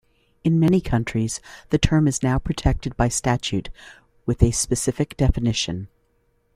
In many countries the term is now protected by statute, with a specific definition.